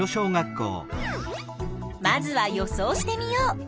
まずは予想してみよう。